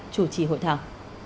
chủ trì hội thảo